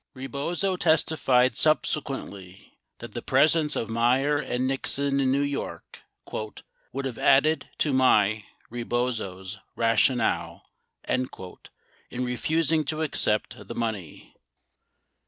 52 Rebozo testified subse quently that the presence of Meier and Nixon in New York "would have added to my [Rebozo's] rationale" in refusing to accept the money.